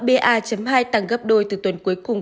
ba hai tăng gấp đôi từ tuần cuối cùng